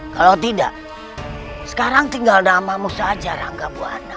kalau tidak sekarang tinggal namamu saja rangkap buah anak